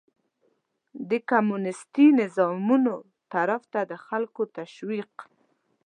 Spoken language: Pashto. د کمونيستي نظامونو طرف ته د خلکو تشويق